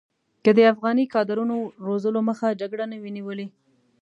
که د افغاني کادرونو روزلو مخه جګړې نه وی نیولې.